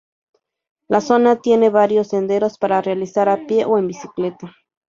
La zona tiene varios senderos para realizar a pie o en bicicleta.